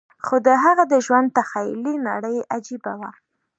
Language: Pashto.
خو د هغه د ژوند تخيلي نړۍ عجيبه وه.